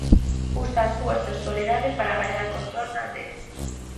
Usa a súa sensualidade para gañar control na aldea.